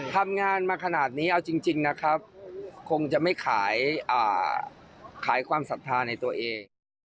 ทำงานมาขนาดนี้เอาจริงนะครับคงจะไม่ขายความศรัทธาในตัวเอง